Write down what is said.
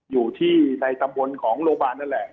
อยู่ที่ในตำบลของโรงพยาบาลนั่นแหละ